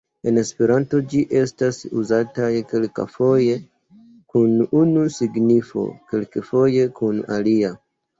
En Esperanto ĝi estas uzataj kelkfoje kun unu signifo, kelkfoje kun alia.